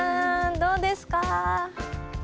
どうですか？